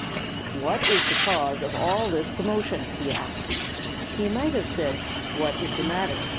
"What is the cause of all this commotion?" he asked. He might have said, "What is the matter?"